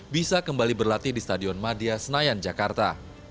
bisa kembali berlatih di stadion madia senayan jakarta